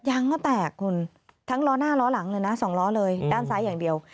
ยังก็แตกคุณทั้งล้อหน้าล้อหลังเลยนะสองล้อเลยด้านซ้ายอย่างเดียว